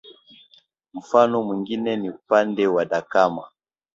Mfano mwingine ni upande wa Dakama